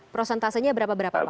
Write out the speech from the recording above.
prosentasenya berapa berapa pak